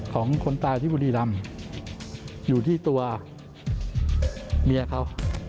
คนตายที่บุรีรำอยู่ที่ตัวเมียเขา